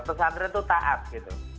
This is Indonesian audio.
pesantren itu taat gitu